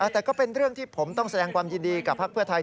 แต่ก็เป็นเรื่องที่ผมต้องแสดงความยินดีกับภักดิ์เพื่อไทย